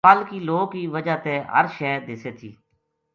پل کی لو کی وجہ تے ہر شے دسے تھی۔